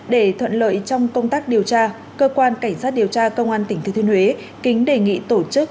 để thuận lợi trong công tác điều tra cơ quan cảnh sát điều tra công an tỉnh thứ thiên huế kính đề nghị tổ chức